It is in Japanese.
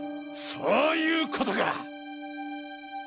そういうことか！